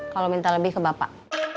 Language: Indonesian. kalau minta lebih ke bapak